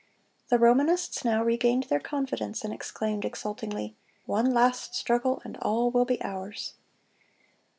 The Romanists now regained their confidence, and exclaimed exultingly, "One last struggle, and all will be ours."